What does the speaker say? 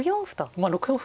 まあ６四歩